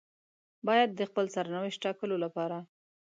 بايد د خپل سرنوشت ټاکلو لپاره.